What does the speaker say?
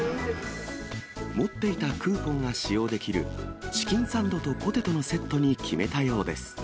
持っていたクーポンが使用できるチキンサンドとポテトのセットに決めたようです。